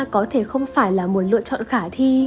có thể không phải là một lựa chọn khả thi